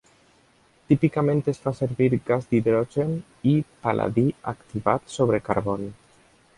Típicament es fa servir gas d'hidrogen i pal·ladi activat sobre carboni.